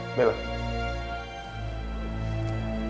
mela jangan sekarang